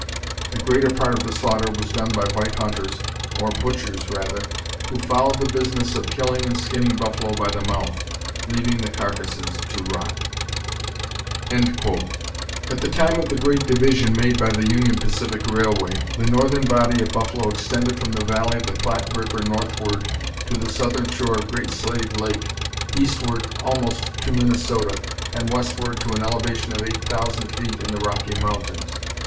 The greater part of the slaughter was done by white hunters, or butchers rather, who followed the business of killing and skinning buffalo by the mouth, leaving the carcasses to rot." At the time of the great division made by the Union Pacific Railway the northern body of buffalo extended from the valley of the Platte River northward to the southern shore of Great Slave Lake, eastward almost to Minnesota, and westward to an elevation of 8,000 feet in the Rocky Mountains.